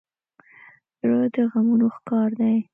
زړه د غمونو ښکار دی.